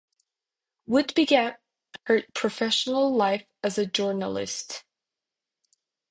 Wood began her professional life as a journalist.